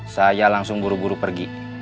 saya langsung buru buru pergi